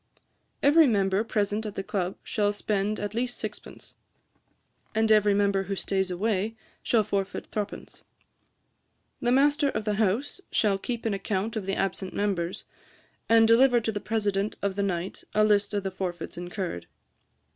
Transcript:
'Every member present at the Club shall spend at least sixpence; and every member who stays away shall forfeit three pence. 'The master of the house shall keep an account of the absent members; and deliver to the President of the night a list of the forfeits incurred.